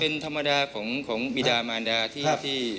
เป็นธรรมดาของบิดามารดาที่